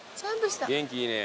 元気いいね。